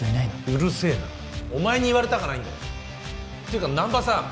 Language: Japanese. うるせえなお前に言われたかないんだよていうか難波さん